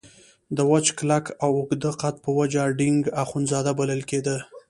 د وچ کلک او اوږده قد په وجه ډینګ اخندزاده بلل کېده.